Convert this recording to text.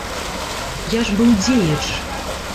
Я ж быў дзеяч!